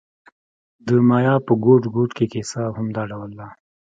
د مایا په ګوټ ګوټ کې کیسه همدا ډول ده.